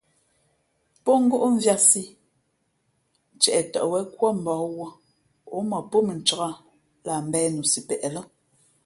Pó ngóʼ mvīātsī ntieʼ tαʼ wěn kúά mbǒh wūᾱ ǒ mα pó mʉncāk lah mbēh nusipeʼ lά.